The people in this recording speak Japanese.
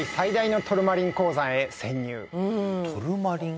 トルマリン？